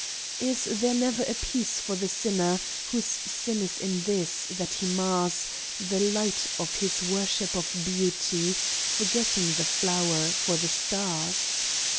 "Is there never a peace for the sinner Whose sin is in this, that he mars The light of his worship of Beauty, Forgetting the flower for the stars?"